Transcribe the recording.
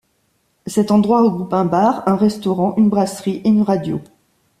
Cet endroit regroupe un bar, un restaurant, une brasserie et une radio.